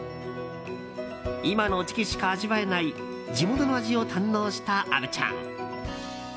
今の時期しか味わえない地元の味を堪能した虻ちゃん。